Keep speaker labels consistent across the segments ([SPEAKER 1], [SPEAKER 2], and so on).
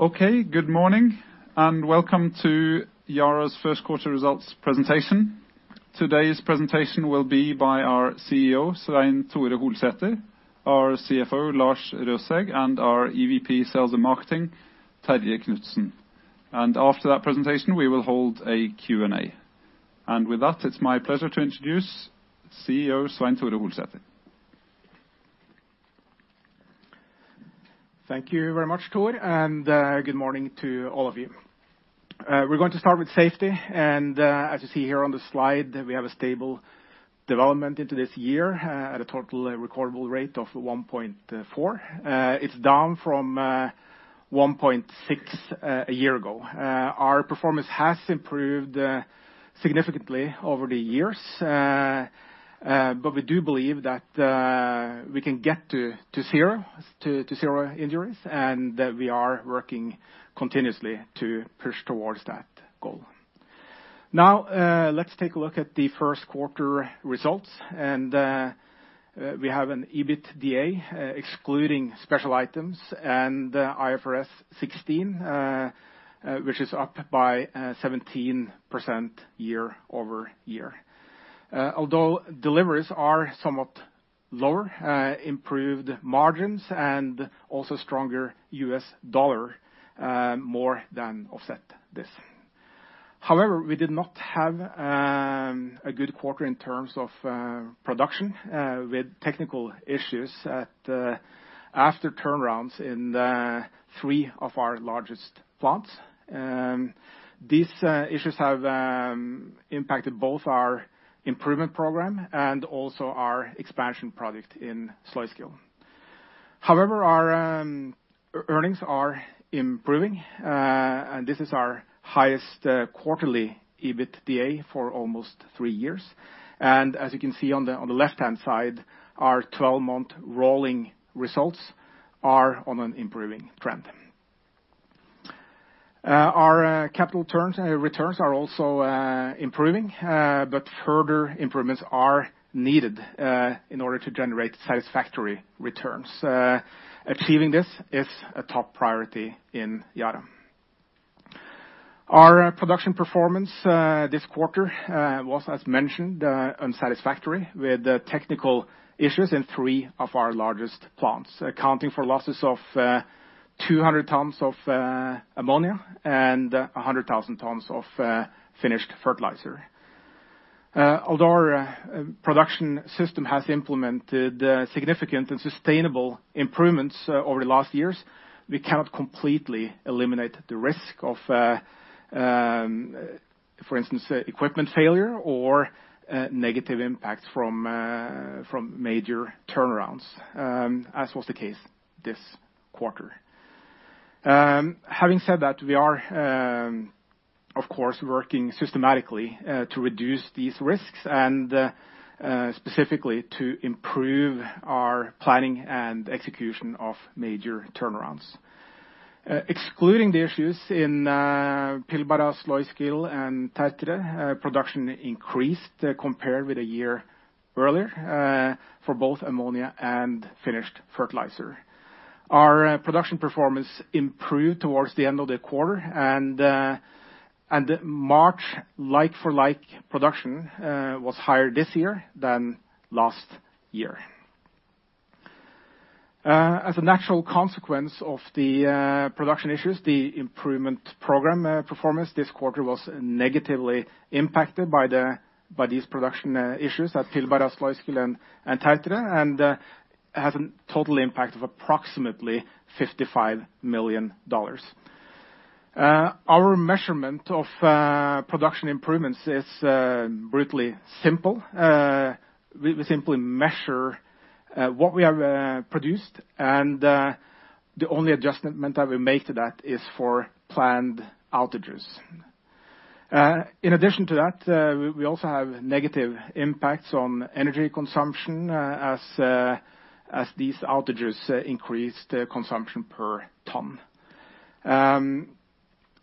[SPEAKER 1] Okay. Good morning, and welcome to Yara's first quarter results presentation. Today's presentation will be by our CEO, Svein Tore Holsether, our CFO, Lars Røsæg, and our EVP Sales and Marketing, Terje Knutsen. After that presentation, we will hold a Q&A. With that, it's my pleasure to introduce CEO Svein Tore Holsether.
[SPEAKER 2] Thank you very much, Thor, and good morning to all of you. We're going to start with safety, and as you see here on the slide, we have a stable development into this year at a total recordable rate of 1.4. It's down from 1.6 a year ago. Our performance has improved significantly over the years, but we do believe that we can get to zero injuries, and that we are working continuously to push towards that goal. Now, let's take a look at the first quarter results. We have an EBITDA excluding special items and IFRS 16, which is up by 17% year-over-year. Although deliveries are somewhat lower, improved margins and also stronger US dollar more than offset this. However, we did not have a good quarter in terms of production with technical issues after turnarounds in three of our largest plants. These issues have impacted both our improvement program and also our expansion project in Sluiskil. However, our earnings are improving, and this is our highest quarterly EBITDA for almost three years. As you can see on the left-hand side, our 12-month rolling results are on an improving trend. Our capital returns are also improving, but further improvements are needed in order to generate satisfactory returns. Achieving this is a top priority in Yara. Our production performance this quarter was, as mentioned, unsatisfactory with the technical issues in three of our largest plants, accounting for losses of 200 tons of ammonia and 100,000 tons of finished fertilizer. Although our production system has implemented significant and sustainable improvements over the last years, we cannot completely eliminate the risk of, for instance, equipment failure or negative impacts from major turnarounds, as was the case this quarter. Having said that, we are, of course, working systematically to reduce these risks and specifically to improve our planning and execution of major turnarounds. Excluding the issues in Pilbara, Sluiskil, and Tertre, production increased compared with a year earlier for both ammonia and finished fertilizer. Our production performance improved towards the end of the quarter and March like-for-like production was higher this year than last year. As a natural consequence of the production issues, the improvement program performance this quarter was negatively impacted by these production issues at Pilbara, Sluiskil, and Tertre, and has a total impact of approximately $55 million. Our measurement of production improvements is brutally simple. We simply measure what we have produced, and the only adjustment that we make to that is for planned outages. In addition to that, we also have negative impacts on energy consumption as these outages increased consumption per ton.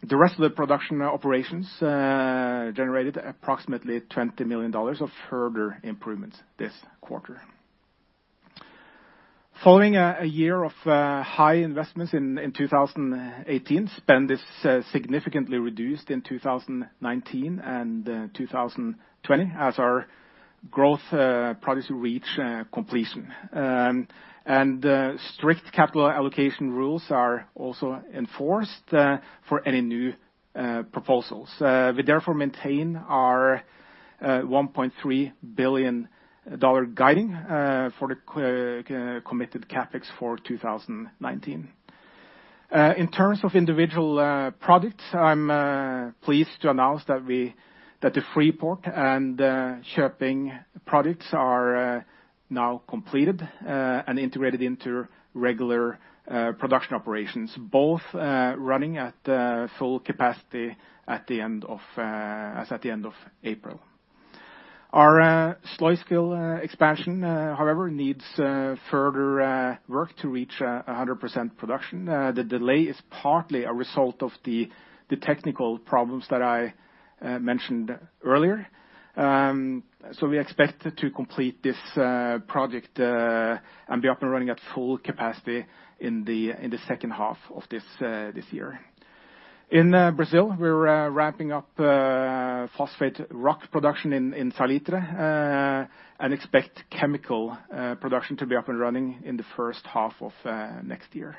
[SPEAKER 2] The rest of the production operations generated approximately $20 million of further improvements this quarter. Following a year of high investments in 2018, spend is significantly reduced in 2019 and 2020 as our growth projects reach completion. Strict capital allocation rules are also enforced for any new proposals. We therefore maintain our $1.3 billion guiding for the committed CapEx for 2019. In terms of individual products, I'm pleased to announce that the Freeport and Köping products are now completed and integrated into regular production operations, both running at full capacity as at the end of April. Our Sluiskil expansion, however, needs further work to reach 100% production. The delay is partly a result of the technical problems that I mentioned earlier. We expect to complete this project and be up and running at full capacity in the second half of this year. In Brazil, we're wrapping up phosphate rock production in Salitre, and expect chemical production to be up and running in the first half of next year.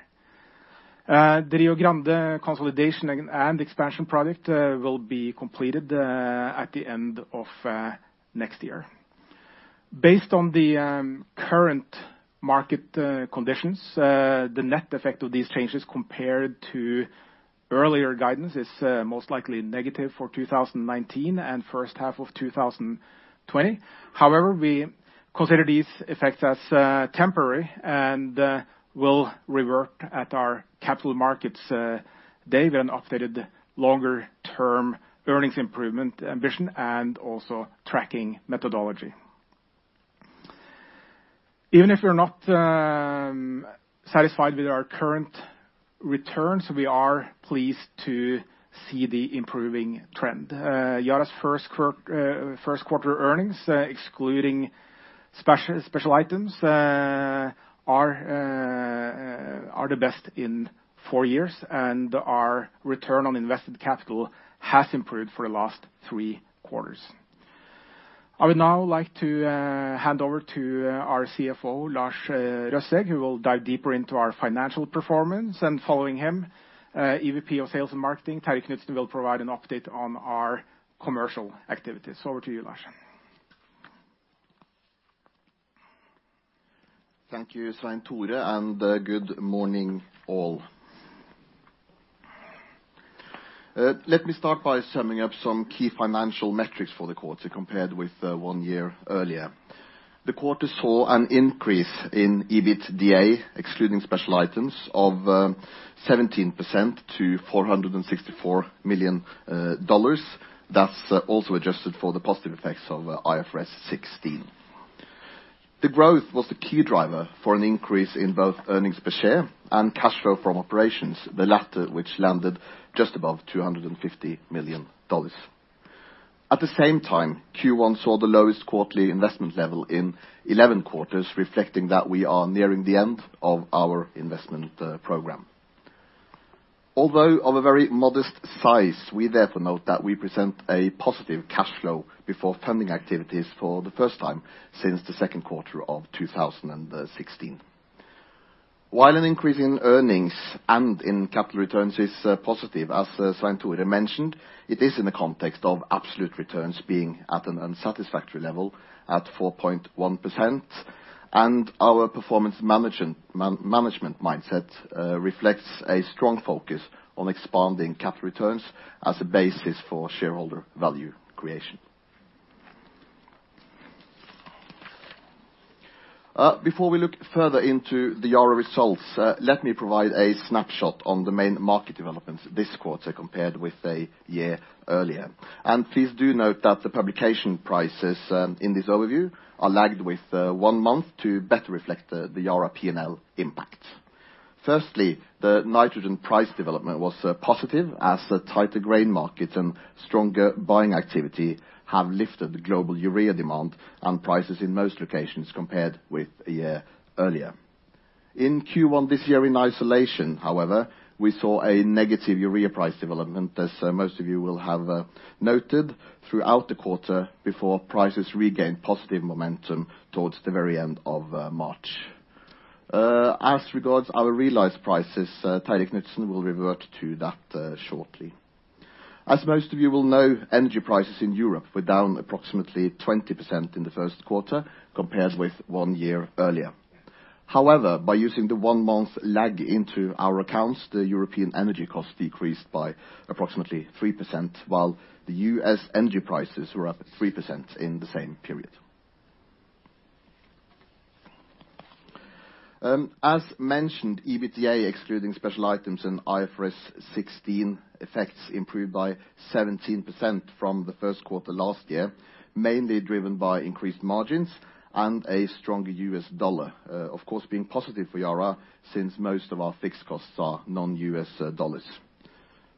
[SPEAKER 2] The Rio Grande consolidation and expansion project will be completed at the end of next year. Based on the current market conditions, the net effect of these changes compared to earlier guidance is most likely negative for 2019 and first half of 2020. However, we consider these effects as temporary and will revert at our capital markets day with an updated longer-term earnings improvement ambition and also tracking methodology. Even if we're not satisfied with our current returns, we are pleased to see the improving trend. Yara's first quarter earnings, excluding special items, are the best in four years, and our return on invested capital has improved for the last three quarters. I would now like to hand over to our CFO, Lars Røsæg, who will dive deeper into our financial performance. Following him, EVP of sales and marketing, Terje Knutsen, will provide an update on our commercial activities. Over to you, Lars.
[SPEAKER 3] Thank you, Svein Tore, and good morning all. Let me start by summing up some key financial metrics for the quarter compared with one year earlier. The quarter saw an increase in EBITDA, excluding special items, of 17% to $464 million. That's also adjusted for the positive effects of IFRS 16. The growth was the key driver for an increase in both earnings per share and cash flow from operations, the latter, which landed just above $250 million. At the same time, Q1 saw the lowest quarterly investment level in 11 quarters, reflecting that we are nearing the end of our investment program. Although of a very modest size, we therefore note that we present a positive cash flow before funding activities for the first time since the second quarter of 2016. While an increase in earnings and in capital returns is positive, as Svein Tore mentioned, it is in the context of absolute returns being at an unsatisfactory level at 4.1%. Our performance management mindset reflects a strong focus on expanding capital returns as a basis for shareholder value creation. Before we look further into the Yara results, let me provide a snapshot on the main market developments this quarter compared with a year earlier. Please do note that the publication prices in this overview are lagged with one month to better reflect the Yara P&L impact. Firstly, the nitrogen price development was positive as tighter grain markets and stronger buying activity have lifted the global urea demand and prices in most locations compared with a year earlier. In Q1 this year in isolation, however, we saw a negative urea price development, as most of you will have noted, throughout the quarter before prices regained positive momentum towards the very end of March. As regards our realized prices, Terje Knutsen will revert to that shortly. As most of you will know, energy prices in Europe were down approximately 20% in the first quarter compared with one year earlier. However, by using the one month lag into our accounts, the European energy cost decreased by approximately 3%, while the U.S. energy prices were up 3% in the same period. As mentioned, EBITDA excluding special items and IFRS 16 effects improved by 17% from the first quarter last year, mainly driven by increased margins and a stronger U.S. dollar, of course, being positive for Yara since most of our fixed costs are non-U.S. dollars.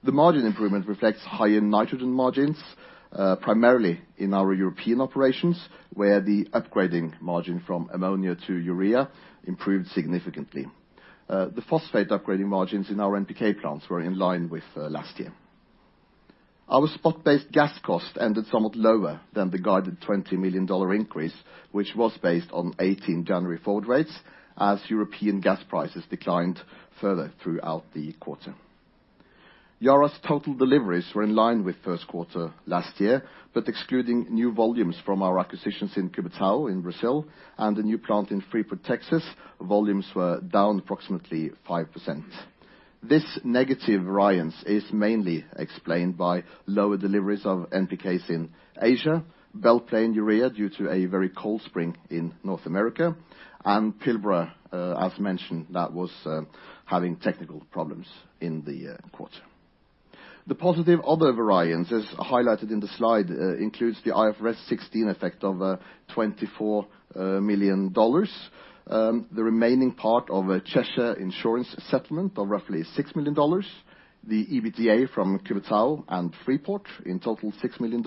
[SPEAKER 3] The margin improvement reflects higher nitrogen margins, primarily in our European operations, where the upgrading margin from ammonia to urea improved significantly. The phosphate upgrading margins in our NPK plants were in line with last year. Our spot-based gas cost ended somewhat lower than the guided $20 million increase, which was based on 18 January forward rates, as European gas prices declined further throughout the quarter. Yara's total deliveries were in line with first quarter last year, but excluding new volumes from our acquisitions in Cubatão in Brazil and a new plant in Freeport, Texas, volumes were down approximately 5%. This negative variance is mainly explained by lower deliveries of NPKs in Asia, Belle Plaine urea due to a very cold spring in North America, and Pilbara, as mentioned, that was having technical problems in the quarter. The positive other variance, as highlighted in the slide, includes the IFRS 16 effect of $24 million. The remaining part of a Cheshire insurance settlement of roughly $6 million. The EBITDA from Cubatão and Freeport in total $6 million.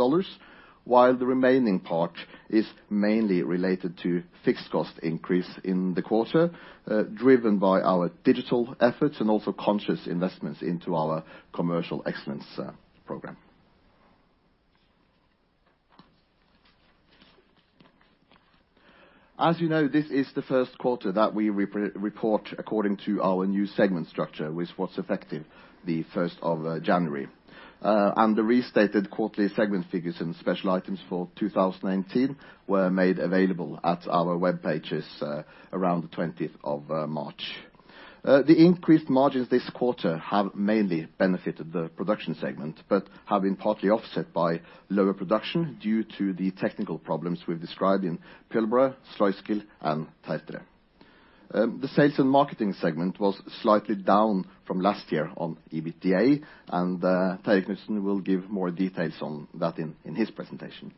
[SPEAKER 3] The remaining part is mainly related to fixed cost increase in the quarter, driven by our digital efforts and also conscious investments into our Commercial Excellence Program. As you know, this is the first quarter that we report according to our new segment structure, with what's effective the 1st of January. The restated quarterly segment figures and special items for 2018 were made available at our webpages around the 20th of March. The increased margins this quarter have mainly benefited the production segment, but have been partly offset by lower production due to the technical problems we've described in Pilbara, Sluiskil, and Tertre. The sales and marketing segment was slightly down from last year on EBITDA, and Terje Knutsen will give more details on that in his presentation.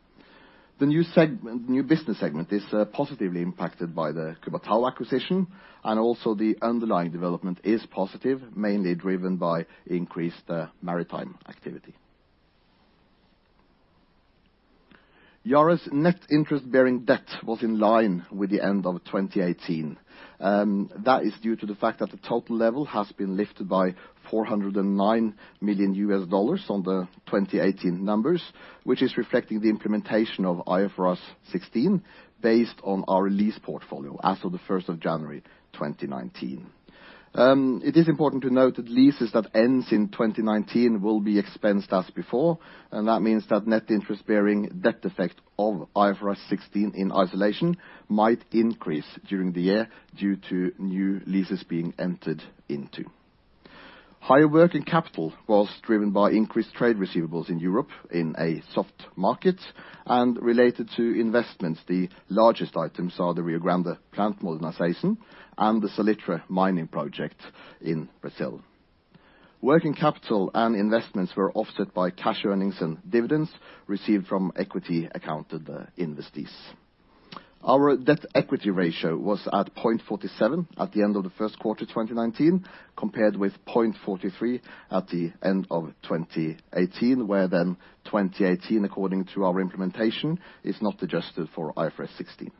[SPEAKER 3] The new business segment is positively impacted by the Cubatão acquisition, and also the underlying development is positive, mainly driven by increased maritime activity. Yara's net interest-bearing debt was in line with the end of 2018. That is due to the fact that the total level has been lifted by $409 million on the 2018 numbers, which is reflecting the implementation of IFRS 16, based on our lease portfolio as of the 1st of January 2019. It is important to note that leases that ends in 2019 will be expensed as before, and that means that net interest bearing debt effect of IFRS 16 in isolation might increase during the year due to new leases being entered into. Higher working capital was driven by increased trade receivables in Europe in a soft market and related to investments. The largest items are the Rio Grande plant modernization and the Salitre mining project in Brazil. Working capital and investments were offset by cash earnings and dividends received from equity accounted investees. Our debt-equity ratio was at 0.47 at the end of the first quarter 2019 compared with 0.43 at the end of 2018, where then 2018, according to our implementation, is not adjusted for IFRS 16.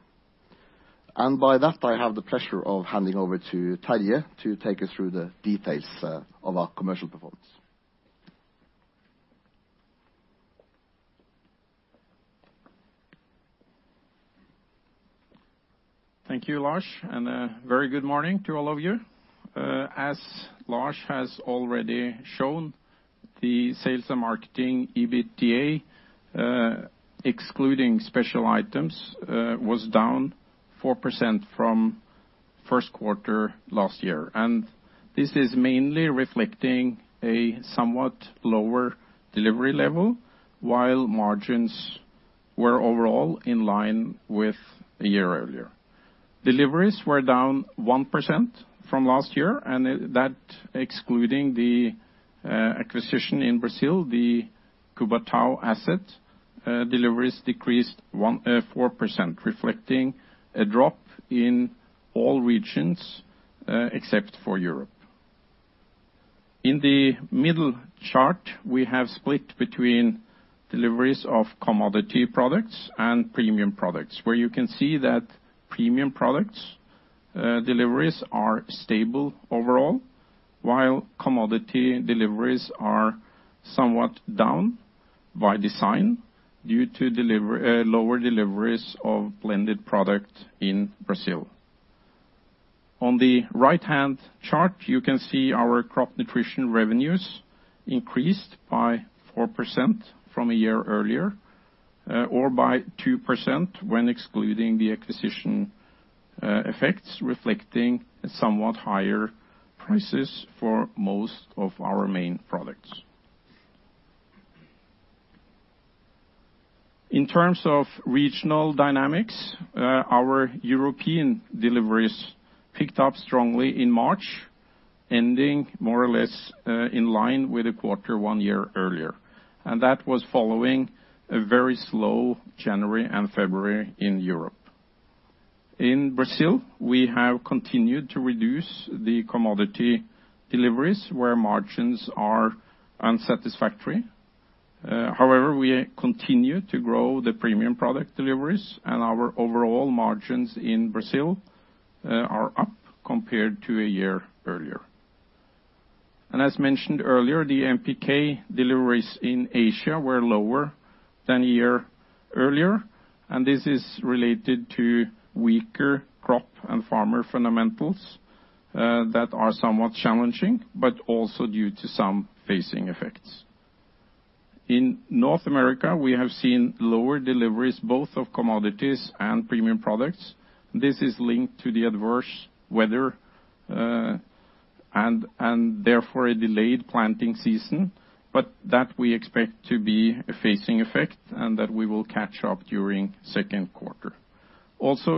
[SPEAKER 3] By that, I have the pleasure of handing over to Terje to take us through the details of our commercial performance.
[SPEAKER 4] Thank you, Lars, and a very good morning to all of you. As Lars has already shown, the sales and marketing EBITDA, excluding special items, was down 4% from first quarter last year. This is mainly reflecting a somewhat lower delivery level, while margins were overall in line with a year earlier. Deliveries were down 1% from last year, and that excluding the acquisition in Brazil, the Cubatão asset deliveries decreased 4%, reflecting a drop in all regions except for Europe. In the middle chart, we have split between deliveries of commodity products and premium products, where you can see that premium products deliveries are stable overall, while commodity deliveries are somewhat down by design due to lower deliveries of blended product in Brazil. On the right-hand chart, you can see our crop nutrition revenues increased by 4% from a year earlier, or by 2% when excluding the acquisition effects, reflecting somewhat higher prices for most of our main products. In terms of regional dynamics, our European deliveries picked up strongly in March, ending more or less in line with the quarter one year earlier. That was following a very slow January and February in Europe. In Brazil, we have continued to reduce the commodity deliveries where margins are unsatisfactory. However, we continue to grow the premium product deliveries, and our overall margins in Brazil are up compared to a year earlier. As mentioned earlier, the NPK deliveries in Asia were lower than a year earlier, and this is related to weaker crop and farmer fundamentals that are somewhat challenging, but also due to some phasing effects. In North America, we have seen lower deliveries both of commodities and premium products. This is linked to the adverse weather and therefore a delayed planting season, but that we expect to be a phasing effect and that we will catch up during second quarter.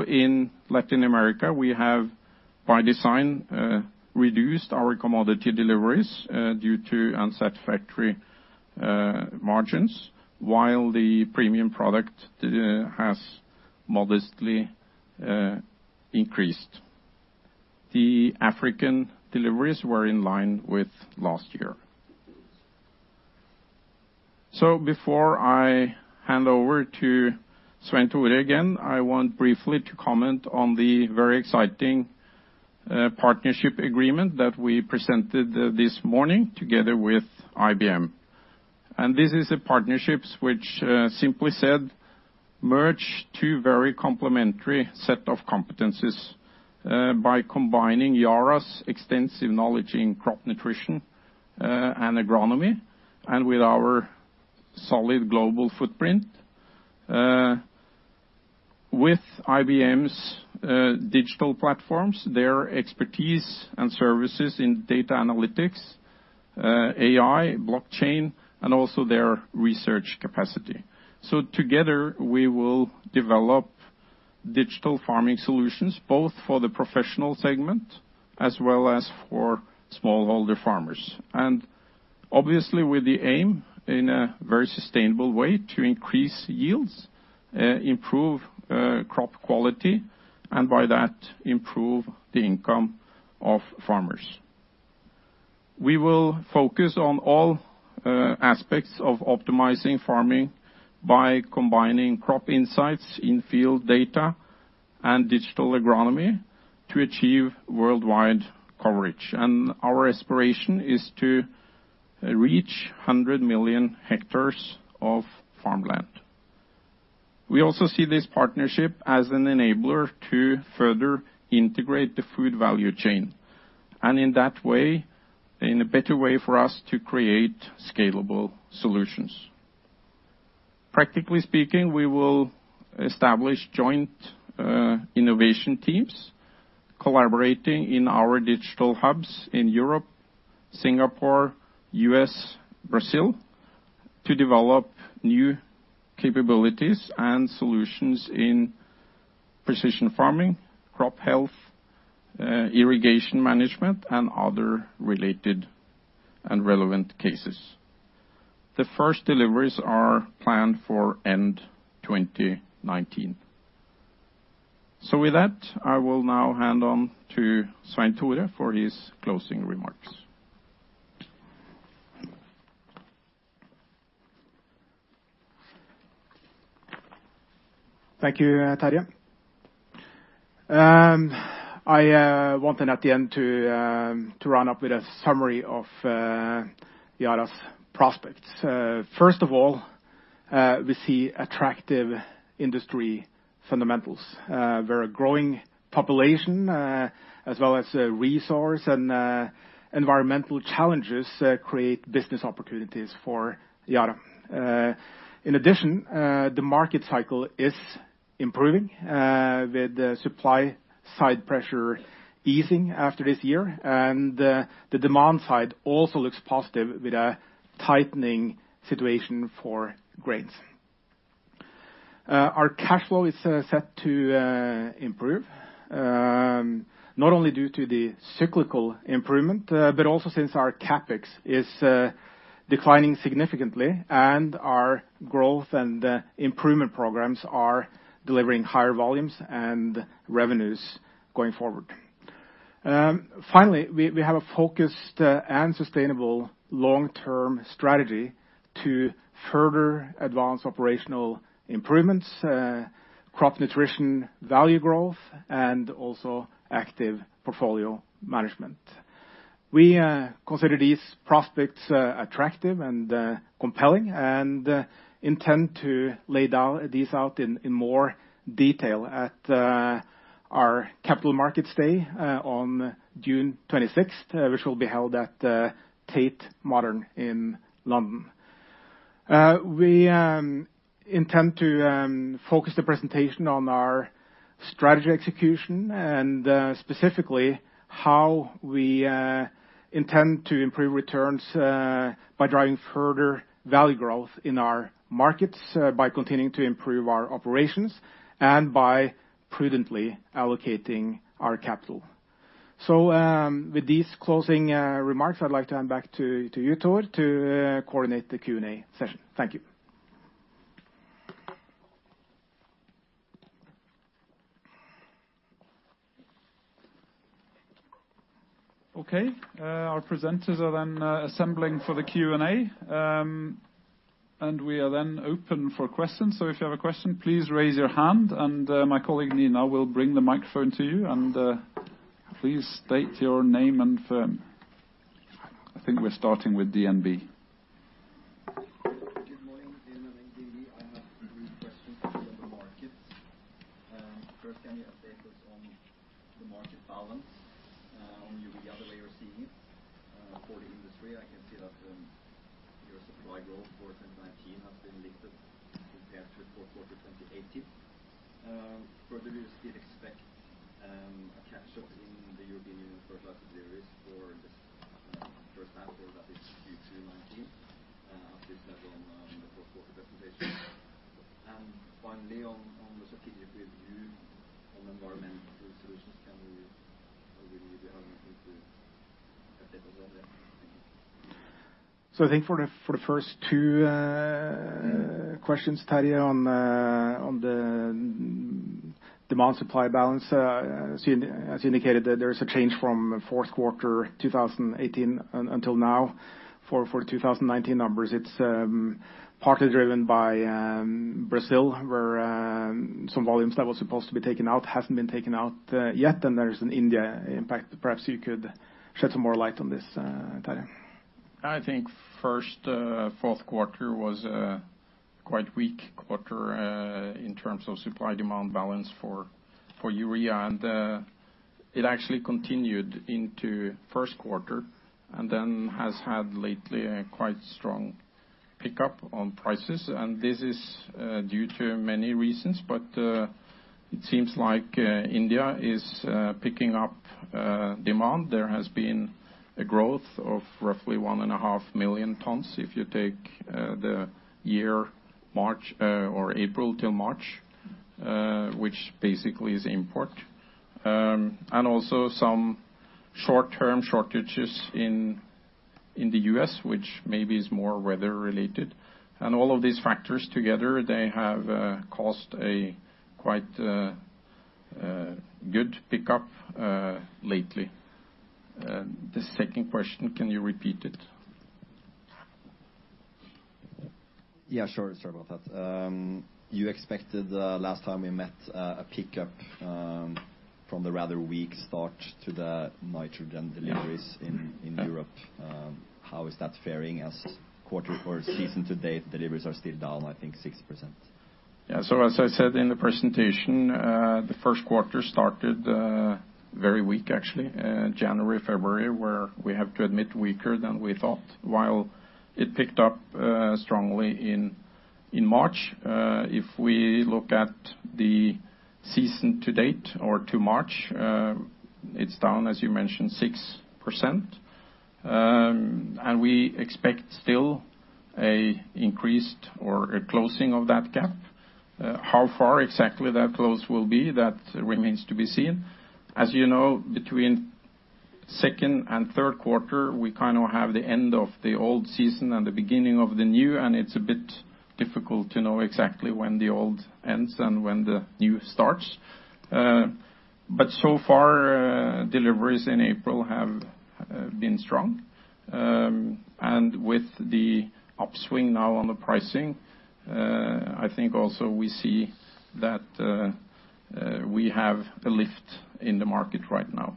[SPEAKER 4] In Latin America, we have, by design, reduced our commodity deliveries due to unsatisfactory margins, while the premium product has modestly increased. The African deliveries were in line with last year. Before I hand over to Svein Tore again, I want briefly to comment on the very exciting partnership agreement that we presented this morning together with IBM. This is a partnership which simply said, merge two very complementary set of competencies by combining Yara's extensive knowledge in crop nutrition and agronomy, and with our solid global footprint, with IBM's digital platforms, their expertise and services in data analytics, AI, blockchain, and also their research capacity. Together, we will develop digital farming solutions, both for the professional segment as well as for smallholder farmers. Obviously with the aim, in a very sustainable way, to increase yields, improve crop quality, and by that improve the income of farmers. We will focus on all aspects of optimizing farming by combining crop insights in field data and digital agronomy to achieve worldwide coverage. Our aspiration is to reach 100 million hectares of farmland. We also see this partnership as an enabler to further integrate the food value chain, and in that way, in a better way for us to create scalable solutions. Practically speaking, we will establish joint innovation teams collaborating in our digital hubs in Europe, Singapore, U.S., Brazil, to develop new capabilities and solutions in precision farming, crop health, irrigation management, and other related and relevant cases. The first deliveries are planned for end 2019. With that, I will now hand on to Svein Tore for his closing remarks.
[SPEAKER 2] Thank you, Terje. I wanted at the end to round up with a summary of Yara's prospects. First of all, we see attractive industry fundamentals, where a growing population, as well as resource and environmental challenges create business opportunities for Yara. In addition, the market cycle is improving, with the supply side pressure easing after this year. The demand side also looks positive with a tightening situation for grains. Our cash flow is set to improve, not only due to the cyclical improvement, but also since our CapEx is declining significantly and our growth and improvement programs are delivering higher volumes and revenues going forward. Finally, we have a focused and sustainable long-term strategy to further advance operational improvements, crop nutrition value growth, and also active portfolio management. We consider these prospects attractive and compelling and intend to lay these out in more detail at our capital markets day on June 26th, which will be held at Tate Modern in London. We intend to focus the presentation on our strategy execution and specifically how we intend to improve returns by driving further value growth in our markets by continuing to improve our operations and by prudently allocating our capital. With these closing remarks, I'd like to hand back to you, Thor, to coordinate the Q&A session. Thank you.
[SPEAKER 1] Our presenters are then assembling for the Q&A. We are then open for questions. If you have a question, please raise your hand and my colleague, Nina, will bring the microphone to you and please state your name and firm. I think we're starting with DNB.
[SPEAKER 5] Good morning. DNB, I have three questions on the markets. First, any updates on the market balance on urea, the way you're seeing it for the industry? I can see that your supply growth for 2019 has been lifted compared to fourth quarter 2018. Further, we still expect a catch-up in the European Union fertilizer deliveries for this first half or that is Q2 2019, as you said on the fourth quarter presentation. Finally, on the strategic review on environmental solutions, will you be having to update us on that? Thank you.
[SPEAKER 2] I think for the first two questions, Terje, on the demand supply balance, as you indicated that there is a change from fourth quarter 2018 until now for 2019 numbers. It's partly driven by Brazil, where some volumes that was supposed to be taken out hasn't been taken out yet, and there is an India impact. Perhaps you could shed some more light on this, Terje.
[SPEAKER 4] First, fourth quarter was a quite weak quarter in terms of supply-demand balance for urea. It actually continued into first quarter, then has had lately a quite strong pickup on prices. This is due to many reasons, but it seems like India is picking up demand. There has been a growth of roughly 1.5 million tons, if you take the year March or April till March, which basically is import. Also some short-term shortages in the U.S., which maybe is more weather related. All of these factors together, they have caused a quite good pickup lately. The second question, can you repeat it?
[SPEAKER 5] Sure about that. You expected, last time we met, a pickup from the rather weak start to the nitrogen deliveries in Europe. How is that fairing as quarter or season to date, deliveries are still down, I think, 6%.
[SPEAKER 4] As I said in the presentation, the first quarter started very weak actually, January, February, where we have to admit weaker than we thought, while it picked up strongly in March. If we look at the season to date or to March, it's down, as you mentioned, 6%. We expect still an increased or a closing of that gap. How far exactly that close will be, that remains to be seen. As you know, between second and third quarter, we kind of have the end of the old season and the beginning of the new, and it's a bit difficult to know exactly when the old ends and when the new starts. So far, deliveries in April have been strong. With the upswing now on the pricing, I think also we see that we have a lift in the market right now.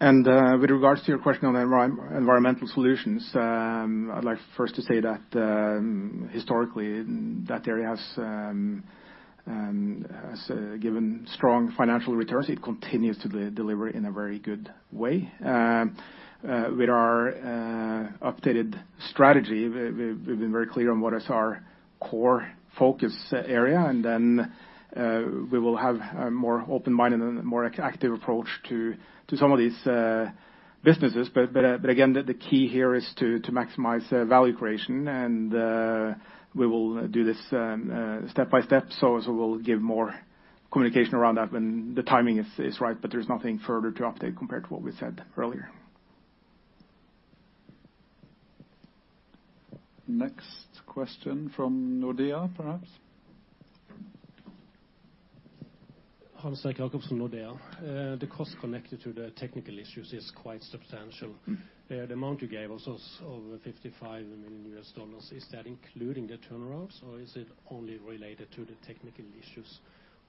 [SPEAKER 2] With regards to your question on environmental solutions, I'd like first to say that historically, that area has given strong financial returns. It continues to deliver in a very good way. With our updated strategy, we've been very clear on what is our core focus area, then we will have a more open mind and a more active approach to some of these businesses. Again, the key here is to maximize value creation, we will do this step by step, we'll give more communication around that when the timing is right. There's nothing further to update compared to what we said earlier.
[SPEAKER 1] Next question from Nordea, perhaps.
[SPEAKER 6] Hans-Erik Jacobsen, Nordea. The cost connected to the technical issues is quite substantial. The amount you gave us was over $55 million. Is that including the turnarounds, or is it only related to the technical issues?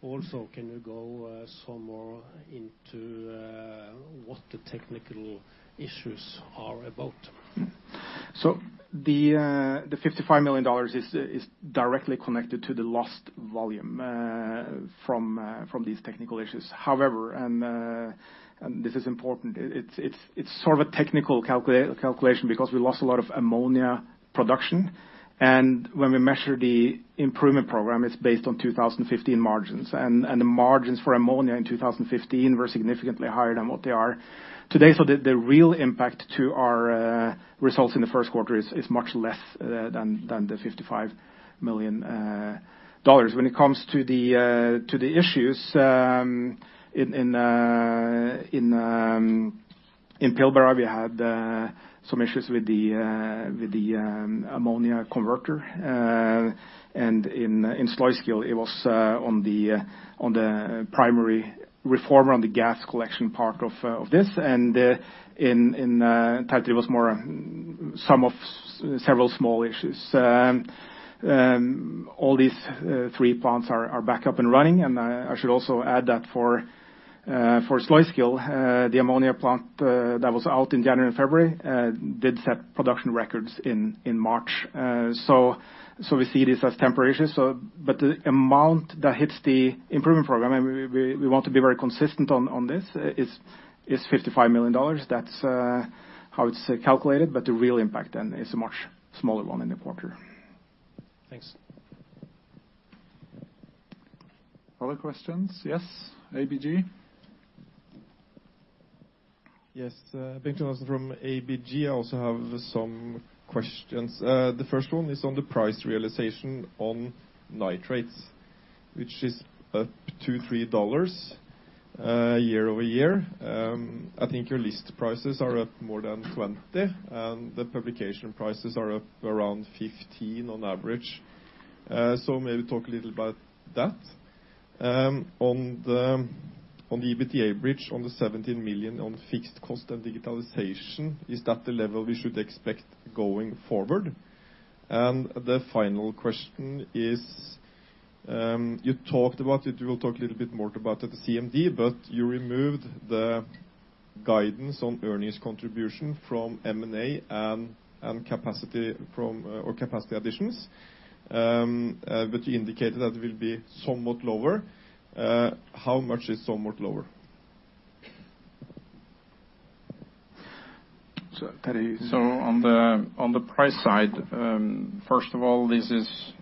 [SPEAKER 6] Can you go some more into what the technical issues are about?
[SPEAKER 2] The $55 million is directly connected to the lost volume from these technical issues. However, this is important, it's sort of a technical calculation because we lost a lot of ammonia production, when we measure the improvement program, it's based on 2015 margins. The margins for ammonia in 2015 were significantly higher than what they are today, the real impact to our results in the first quarter is much less than the $55 million. When it comes to the issues, in Pilbara, we had some issues with the ammonia converter. In Sluiskil, it was on the primary reformer on the gas collection part of this. In Tertre, it was more a sum of several small issues. All these three plants are back up and running. I should also add that for Sluiskil, the ammonia plant that was out in January and February did set production records in March. We see this as temporary issues. The amount that hits the improvement program, and we want to be very consistent on this, is $55 million. That's how it's calculated, but the real impact then is a much smaller one in the quarter.
[SPEAKER 6] Thanks.
[SPEAKER 1] Other questions? Yes, ABG.
[SPEAKER 7] Yes. Bengt Jonassen from ABG. I also have some questions. The first one is on the price realization on nitrates, which is up two, three dollars year-over-year. I think your list prices are up more than 20, and the publication prices are up around 15 on average. Maybe talk a little about that. On the EBITDA bridge, on the $17 million on fixed cost and digitalization, is that the level we should expect going forward? The final question is You talked about it, you will talk a little bit more about it at CMD, you removed the guidance on earnings contribution from M&A and capacity additions, you indicated that it will be somewhat lower. How much is somewhat lower?
[SPEAKER 4] On the price side, first of all, this is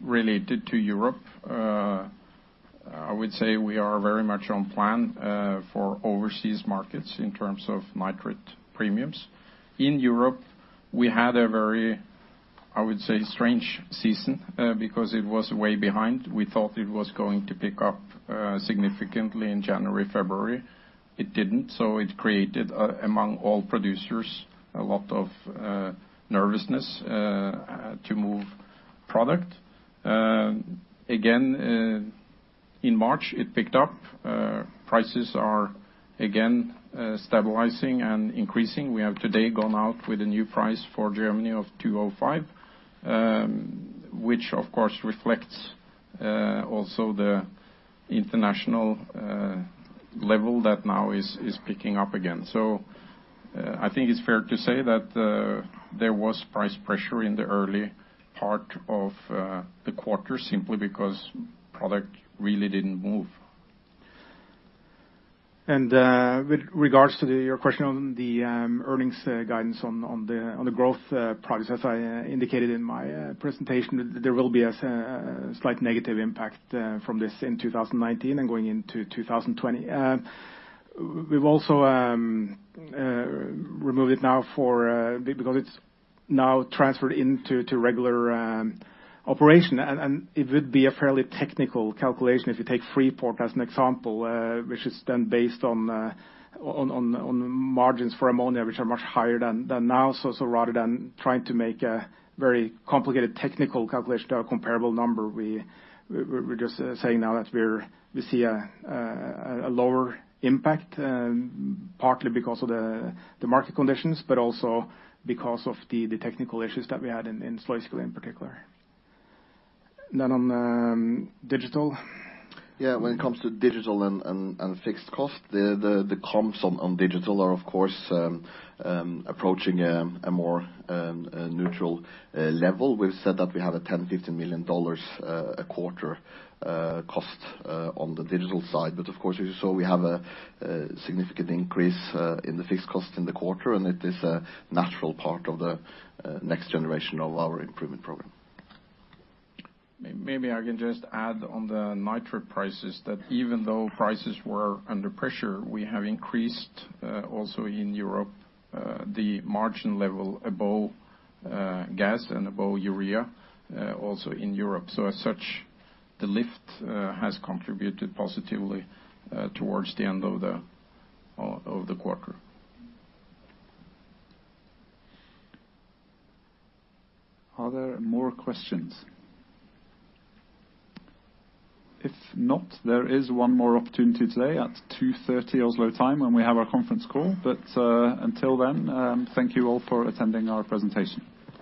[SPEAKER 4] related to Europe. I would say we are very much on plan for overseas markets in terms of nitrate premiums. In Europe, we had a very, I would say, strange season, because it was way behind. We thought it was going to pick up significantly in January, February. It didn't. It created, among all producers, a lot of nervousness to move product. Again, in March, it picked up. Prices are again stabilizing and increasing. We have today gone out with a new price for Germany of $205, which of course reflects also the international level that now is picking up again. I think it's fair to say that there was price pressure in the early part of the quarter, simply because product really didn't move.
[SPEAKER 2] With regards to your question on the earnings guidance on the growth progress, as I indicated in my presentation, there will be a slight negative impact from this in 2019 and going into 2020. We've also removed it now because it's now transferred into regular operation, and it would be a fairly technical calculation if you take Freeport as an example, which is then based on margins for ammonia, which are much higher than now. Rather than trying to make a very complicated technical calculation to a comparable number, we're just saying now that we see a lower impact, partly because of the market conditions, but also because of the technical issues that we had in Sløvåg in particular.
[SPEAKER 7] On digital?
[SPEAKER 3] When it comes to digital and fixed cost, the comps on digital are, of course, approaching a more neutral level. We've said that we have a $10 million-$15 million a quarter cost on the digital side. Of course, as you saw, we have a significant increase in the fixed cost in the quarter, and it is a natural part of the next generation of our improvement program.
[SPEAKER 4] Maybe I can just add on the nitrate prices that even though prices were under pressure, we have increased, also in Europe, the margin level above gas and above urea, also in Europe. As such, the lift has contributed positively towards the end of the quarter.
[SPEAKER 1] Are there more questions? If not, there is one more opportunity today at 2:30 Oslo time when we have our conference call. Until then, thank you all for attending our presentation.